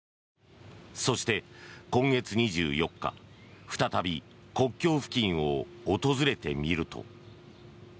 そして今月２４日再び国境付近を訪れてみると。